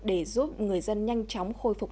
để giúp người dân nhanh chóng khôi phục